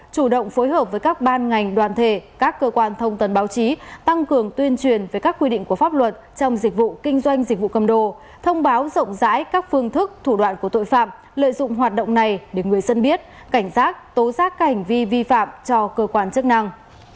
chủ động phối hợp với các ban ngành đoàn thể các cơ quan thông tần báo chí tăng cường tuyên truyền về các quy định của pháp luật trong dịch vụ kinh doanh dịch vụ cầm đồ thông báo rộng rãi các phương thức thủ đoạn của tội phạm lợi dụng hoạt động này để người dân biết cảnh giác tố giác các hành vi vi phạm cho cơ quan chức năng